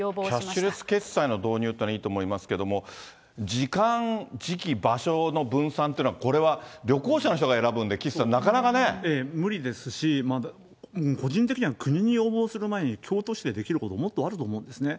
キャッシュレス決済の導入っていうのはいいと思いますけど、時間、時期、場所の分散っていうのは、これは旅行者の人が選ぶん無理ですし、個人的には国に要望する前に、京都市でできることもっとあると思うんですね。